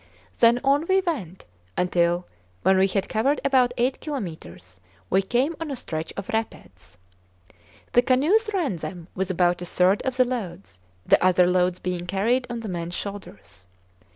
Then on we went, until, when we had covered about eight kilometres, we came on a stretch of rapids. The canoes ran them with about a third of the loads, the other loads being carried on the men's shoulders.